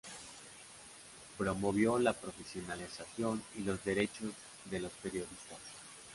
Promovió la profesionalización y los derechos de los periodistas.